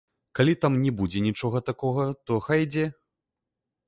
Калі там не будзе нічога такога, то хай ідзе.